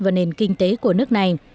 vào nền kinh tế của nước này